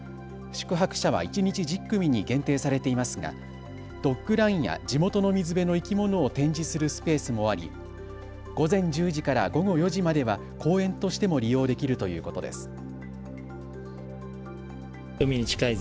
宿泊者は一日１０組に限定されていますがドッグランや地元の水辺の生き物を展示するスペースもあり午前１０時から午後４時までは公園としても利用できるということです。